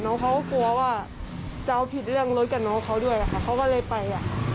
เขาก็กลัวว่าจะเอาผิดเรื่องรถกับน้องเขาด้วยค่ะเขาก็เลยไป